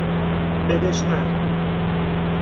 بدش من